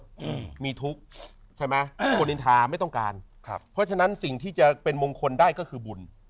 อืมมีทุกข์ใช่ไหมอ่าคนอินทาไม่ต้องการครับเพราะฉะนั้นสิ่งที่จะเป็นมงคลได้ก็คือบุญ